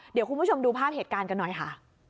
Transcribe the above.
เดี๋ยวคุณผู้ชมดูภาพเหตุการณ์กันหน่อยค่ะ